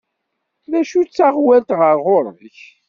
D acu d taɣwalt ɣer ɣur-k?